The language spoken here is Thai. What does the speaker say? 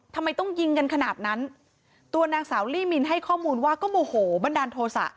ทำไมต้องยิงกันขนาดนั้นตัวนางสาวลี่มินให้ข้อมูลว่าก็โมโหบันดาลโทษะ